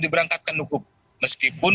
diberangkatkan hukum meskipun